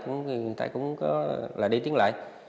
người ta cũng có là đi tiếng lại